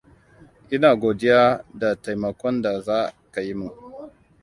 Ina godiya da taimakon da za ka yi min.